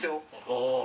ああ。